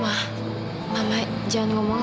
wah mama jangan ngomong